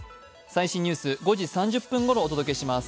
最新ニュースは５時３０分ごろお伝えします。